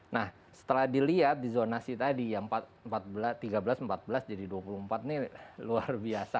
nah setelah dilihat di zonasi tadi yang tiga belas empat belas jadi dua puluh empat ini luar biasa